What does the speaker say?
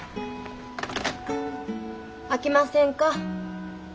あきませんか？